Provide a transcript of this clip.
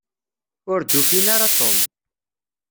Ur d-ufin ara Tom.